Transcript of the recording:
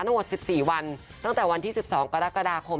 ทั้งหมด๑๔วันตั้งแต่วันที่๑๒กรกฎาคม